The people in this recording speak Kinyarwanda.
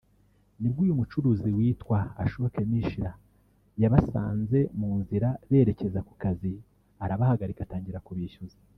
nibwo uyu mucuruzi witwa Ashok Mishra yabasanze mu nzira berekeza ku kazi arabahagarika atangira kubishyuza